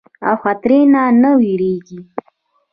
او خطري نه نۀ ويريږي